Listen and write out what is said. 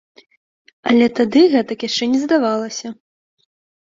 Але тады гэтак яшчэ не здавалася.